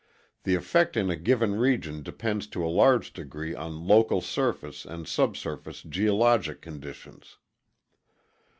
The effect in a given region depends to a large degree on local surface and subsurface geologic conditions.